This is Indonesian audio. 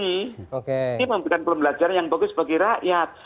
ini memberikan pembelajaran yang bagus bagi rakyat